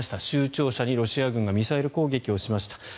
州庁舎にロシア軍がミサイル攻撃をしました。